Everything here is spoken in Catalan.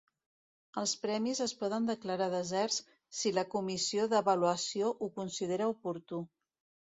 Els premis es poden declarar deserts si la comissió d'avaluació ho considera oportú.